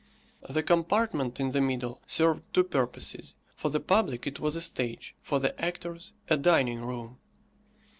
The compartment in the middle served two purposes for the public it was a stage, for the actors a dining room.